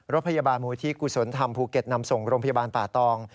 รถพยาบาลมูลที่กุศลธรรมภูเก็ตนำส่งโรงพยาบาลป่าตอง